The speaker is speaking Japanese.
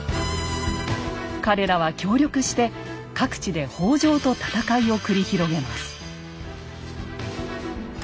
彼らは協力して各地で北条と戦いを繰り広げます。